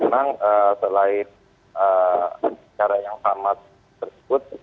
memang selain cara yang sama tersebut